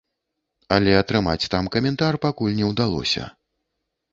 Але атрымаць там каментар пакуль не ўдалося.